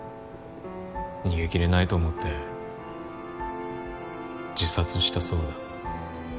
逃げ切れないと思って自殺したそうだ。